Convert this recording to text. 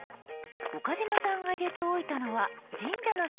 岡嶋さんが入れておいたのは神社の写真。